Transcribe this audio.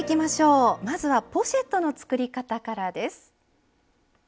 まずはポシェットの作り方からです。